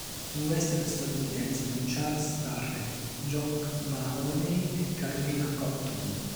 È un western statunitense con Charles Starrett, Jock Mahoney e Carolina Cotton.